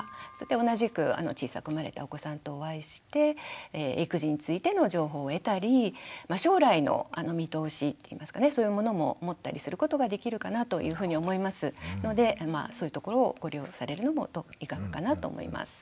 同じく小さく生まれたお子さんとお会いして育児についての情報を得たり将来の見通しっていいますかねそういうものも持ったりすることができるかなというふうに思いますのでそういうところをご利用されるのもいかがかなと思います。